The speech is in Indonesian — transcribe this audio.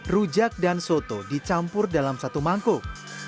rujak dan soto dicampur dalam satu mangkuk